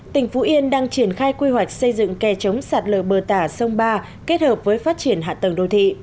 tỉnh phú yên đang triển khai quy hoạch xây dựng kè chống sạt lở bờ tả sông ba kết hợp với phát triển hạ tầng đô thị